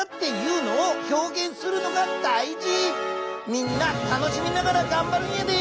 みんな楽しみながらがんばるんやで！